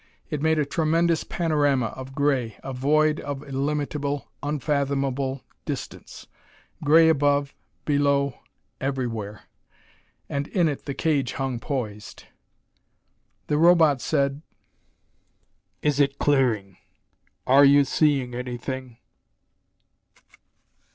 It made a tremendous panorama of gray, a void of illimitable, unfathomable distance; gray above, below everywhere; and in it the cage hung poised. The Robot said, "Is it clearing? Are you seeing anything?"